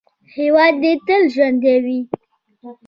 هیواد دې تل ژوندی وي.